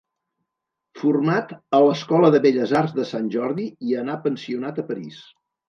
Format a l'Escola de Belles Arts de Sant Jordi i anà pensionat a París.